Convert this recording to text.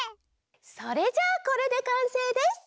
それじゃあこれでかんせいです！